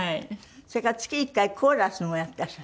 それから月１回コーラスもやってらっしゃる？